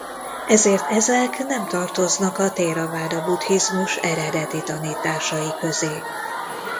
Ezért ezek nem tartoznak a théraváda buddhizmus eredeti tanításai közé.